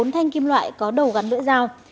bốn thanh kim loại có đầu gắn lưỡi dao